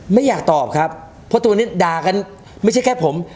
ไม่อยากตอบครับเพราะตัวนี้ด่ากันไม่ใช่แค่ผม